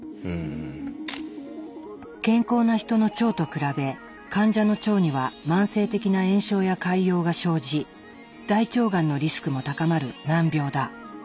健康な人の腸と比べ患者の腸には慢性的な炎症や潰瘍が生じ大腸がんのリスクも高まる難病だ。